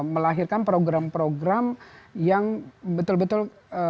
melahirkan program program yang betul betul